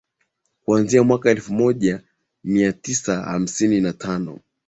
kuanzia mwaka elfu moja mia tisa hamsini na tano